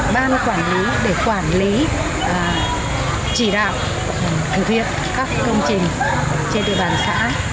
ban quản lý để quản lý chỉ đạo thực hiện các công trình trên địa bàn xã